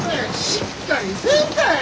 しっかりせんかい！